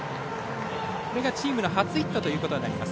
これがチームの初ヒットとなります。